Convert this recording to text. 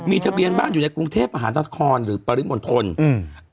มีทะเบียนบ้านอยู่ในกรุงเทพมหานครหรือปริมณฑลอืม